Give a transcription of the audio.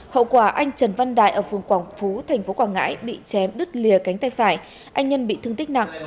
hậu quả anh trần văn đại ở phường quảng phú tp quảng ngãi bị chém đứt lìa cánh tay phải anh nhân bị thương tích nặng